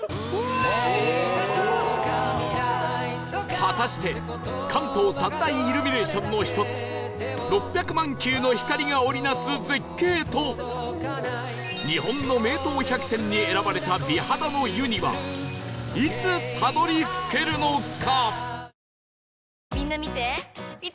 果たして関東三大イルミネーションの一つ６００万球の光が織り成す絶景と日本の名湯百選に選ばれた美肌の湯にはいつたどり着けるのか？